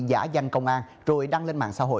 giả danh công an rồi đăng lên mạng xã hội